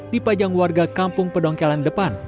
dipajang warga kampung pedongkelan depan